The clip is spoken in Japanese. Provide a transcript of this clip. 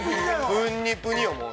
プニプニよ、もう。